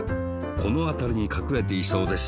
このあたりにかくれていそうです。